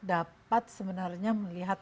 dapat sebenarnya melihat